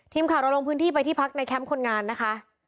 ทีมข่าวเราลงพื้นที่ไปที่พักในแคมป์คนงานนะคะ